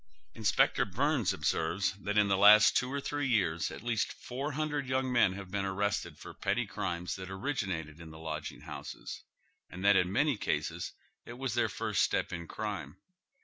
Inspector Byrnes observes that in the last two or three years at least four hundred young men have been arrested for petty crimes that originated in the lodging houses, and that in many cases it was their first step in crime.